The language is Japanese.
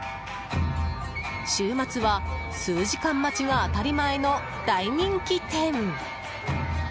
週末は、数時間待ちが当たり前の大人気店。